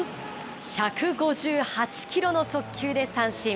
１５８キロの速球で三振。